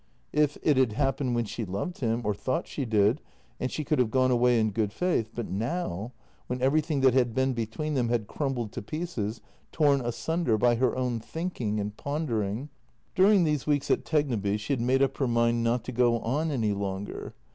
If it had happened when she loved him, or thought she did, and she could have gone away in good faith, but now, when every thing that had been between them had crumbled to pieces, torn asunder by her own thinking and pondering. ... During these weeks at Tegneby she had made up her mind not to go on any longer.